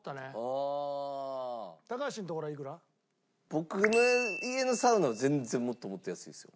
僕の家のサウナは全然もっともっと安いですよ。